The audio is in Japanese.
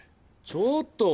ちょっと！